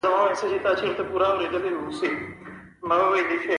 چیني یې په مټې خوارۍ تر کوټې کړ خوشاله نه و.